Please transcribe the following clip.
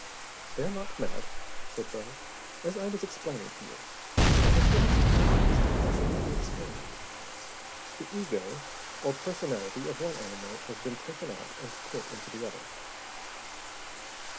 "They are not mad," said Burr. "As I was explaining to you, I have finished the first portion of the experiment. The ego, or personality of one animal has been taken out and put into the other."